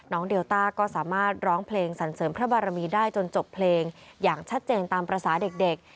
เดลต้าก็สามารถร้องเพลงสรรเสริมพระบารมีได้จนจบเพลงอย่างชัดเจนตามภาษาเด็ก